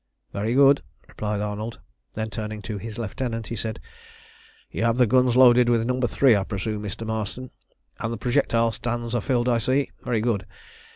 "Very good," replied Arnold. Then, turning to his lieutenant, he said "You have the guns loaded with No. 3, I presume, Mr. Marston, and the projectile stands are filled, I see. Very good.